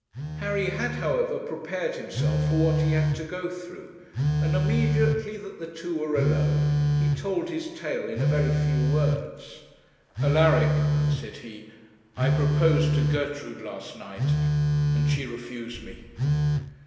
Harry had, however, prepared himself for what he had to go through, and immediately that the two were alone, he told his tale in a very few words. 'Alaric,' said he, 'I proposed to Gertrude last night, and she refused me.'